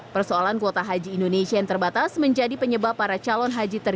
persoalan kuota haji indonesia yang terbatas menjadi penyebab para calon haji